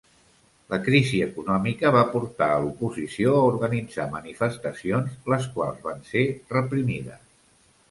La crisi econòmica va portar a l'oposició a organitzar manifestacions, les quals van ser reprimides.